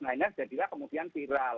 nah ini jadilah kemudian viral